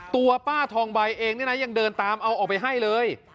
ตัวป้าทองใบเองเนี่ยนะยังเดินตามเอาออกไปให้เลย